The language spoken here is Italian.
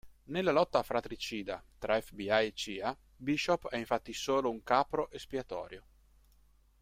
Nella lotta fratricida tra Fbi e Cia, Bishop è infatti solo un capro espiatorio.